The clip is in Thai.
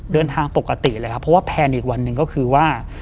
เดินทางปกติเลยครับเพราะว่าแพลนอีกวันหนึ่งก็คือว่า